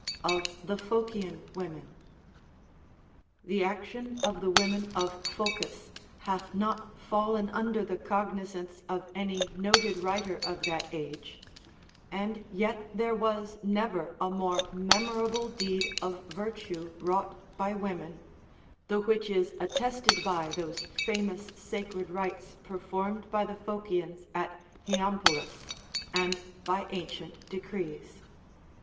Of the Phocian Women. The action of the women of Phocis hath not fallen under the cognizance of any noted writer of that age, and yet there was never a more memorable deed of virtue wrought by Avomen, — the which is attested by those famous sacred rites performed by the Phocians at Hy ampolis, and by ancient decrees.